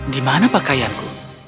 di mana pakaianku